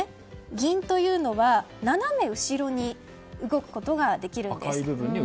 銀というのは、斜め後ろに動くことができるんです。